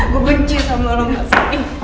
gue benci sama lo mbak sini